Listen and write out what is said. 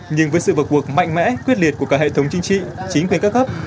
nhưng với sự vật cuộc mạnh mẽ quyết liệt của cả hệ thống chính trị chính quyền các cấp